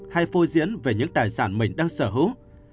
hay phôi diễn về những tài sản mình đang sở hữu